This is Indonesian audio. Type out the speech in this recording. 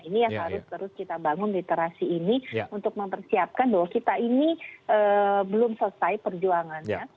ini yang harus terus kita bangun literasi ini untuk mempersiapkan bahwa kita ini belum selesai perjuangannya